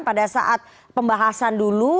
pada saat pembahasan dulu